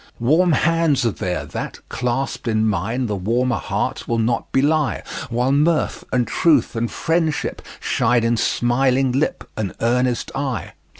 Warm hands are there, that, clasped in mine, The warmer heart will not belie; While mirth, and truth, and friendship shine In smiling lip and earnest eye.